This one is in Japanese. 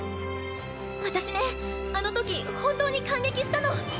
私ねあの時本当に感激したの！